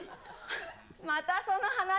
またその話？